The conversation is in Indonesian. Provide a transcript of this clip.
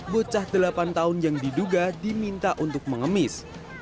bocah delapan tahun yang diduga diminta untuk mengemis